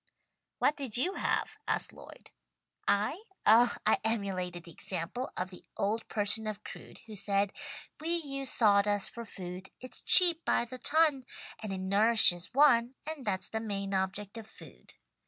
"What did you have?" asked Lloyd. "I? Oh I emulated the example of 'The old person of Crewd' who said "'We use sawdust for food. It's cheap by the ton And it nourishes one, And that's the main object of food.'